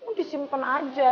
oh disimpen aja